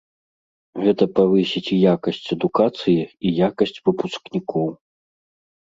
Гэта павысіць і якасць адукацыі, і якасць выпускнікоў.